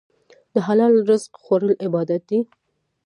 د حلال رزق خوړل عبادت دی.